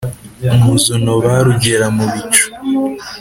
umuzonobari ugera mu bicu.